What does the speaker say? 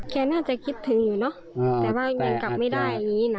แกน่าจะคิดถึงอยู่เนอะแต่ว่ายังกลับไม่ได้อันนี้นะ